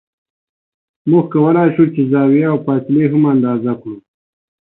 موږ کولای شو چې زاویې او فاصلې هم اندازه کړو